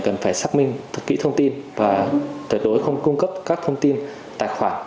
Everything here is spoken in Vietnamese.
cần phải xác minh thật kỹ thông tin và tuyệt đối không cung cấp các thông tin tài khoản